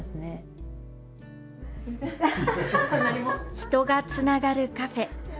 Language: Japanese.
人がつながるカフェ。